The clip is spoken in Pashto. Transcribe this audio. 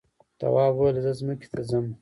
تواب وویل زه ځمکې ته ځم.